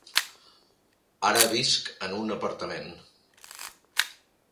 Ara visc en un apartament.